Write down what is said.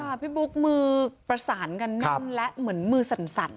พี่บุ๊กมือประสานกันแน่นและเหมือนมือสั่น